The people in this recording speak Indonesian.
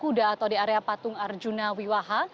kuda atau di area patung arjuna wiwaha